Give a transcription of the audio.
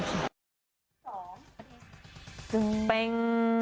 ตื่นเพื่อน